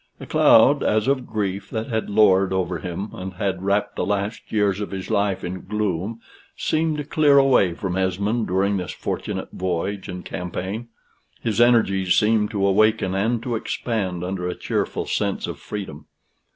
A cloud, as of grief, that had lowered over him, and had wrapped the last years of his life in gloom, seemed to clear away from Esmond during this fortunate voyage and campaign. His energies seemed to awaken and to expand under a cheerful sense of freedom.